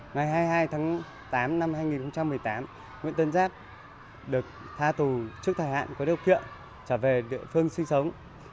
ngày hai mươi hai tháng tám năm hai nghìn một mươi tám nguyễn tân giáp được tha tù trước thời hạn có điều kiện trả về địa phương sinh sống